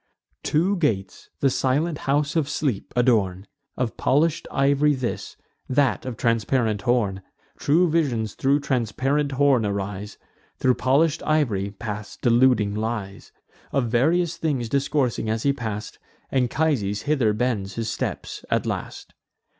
Two gates the silent house of Sleep adorn; Of polish'd ivory this, that of transparent horn: True visions thro' transparent horn arise; Thro' polish'd ivory pass deluding lies. Of various things discoursing as he pass'd, Anchises hither bends his steps at last.